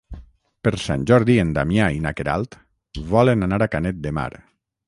Per Sant Jordi en Damià i na Queralt volen anar a Canet de Mar.